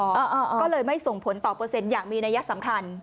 ก็เลยไม่ส่งผลต่อเปอร์เซ็นต์อย่างมีนัยสำคัญ